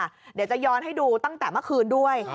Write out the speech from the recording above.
เดี๋ยวจะย้อนให้ดูตั้งแต่เมื่อคืนด้วย